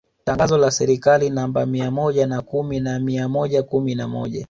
Tangazo la Serikali namba mia moja na kumi na mia moja kumi na moja